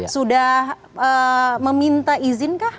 sudah meminta izin kah